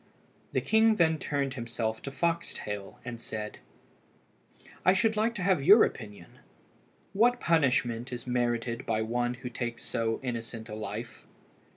The king then turned himself to Foxtail, and said "I should like to have your opinion; what punishment is merited by one who takes so innocent a life?"